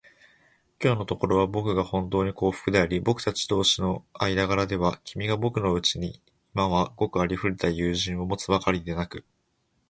きょうのところは、ぼくがほんとうに幸福であり、ぼくたち同士の間柄では、君がぼくのうちに今ではごくありふれた友人を持つばかりでなく、